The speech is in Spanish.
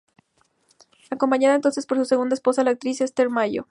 Acompañado entonces por su segunda esposa, la actriz Esther Mayo.